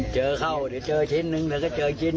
เจอเข้าเดี๋ยวเจอชิ้นนึงเดี๋ยวก็เจอชิ้น